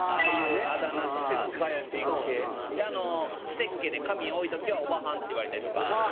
くせっ毛で髪多い時は「おばはん」って言われたりとか。